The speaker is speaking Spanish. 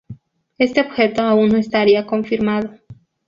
Este objeto aún no estaría confirmado.